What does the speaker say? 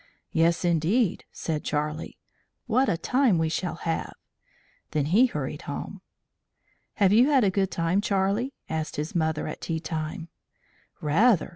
"Yes, indeed," said Charlie, "what a time we shall have!" Then he hurried home. "Have you had a good time, Charlie?" asked his mother at tea time. "Rather!"